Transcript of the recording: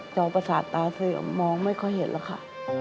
องประสาทตาเสื่อมมองไม่ค่อยเห็นแล้วค่ะ